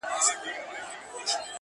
• تاو یې دی له سره خو حریر خبري نه کوي,